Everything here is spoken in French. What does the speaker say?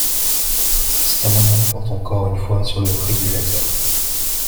Cet amendement porte encore une fois sur le régulateur.